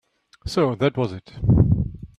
So that was it.